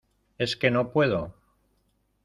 es que no puedo.